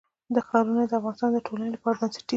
ښارونه د افغانستان د ټولنې لپاره بنسټیز دي.